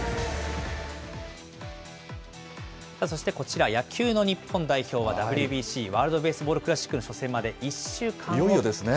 そしてこちら、野球の日本代表はＷＢＣ・ワールドベースボールクラシックの初戦いよいよですね。